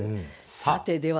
さてでは。